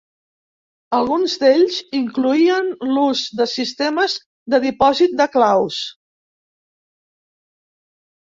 Alguns d'ells incloïen l'ús de sistemes de dipòsit de claus.